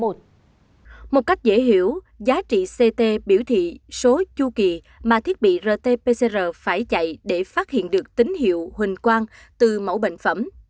một cách dễ hiểu giá trị ct biểu thị số chu kỳ mà thiết bị rt pcr phải chạy để phát hiện được tính hiệu hình quang từ mẫu bệnh phẩm